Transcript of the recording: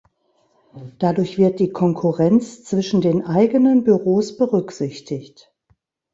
Dadurch wird die Konkurrenz zwischen den eigenen Büros berücksichtigt.